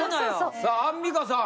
さあアンミカさん。